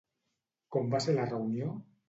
Com va ser la reunió?